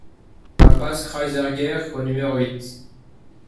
Impasse Kreiz er Gêr au numéro huit